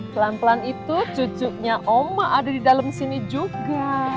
pelan pelan itu cucuknya oma ada didalam sini juga